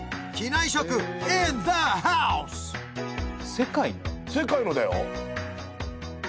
世界のだよ。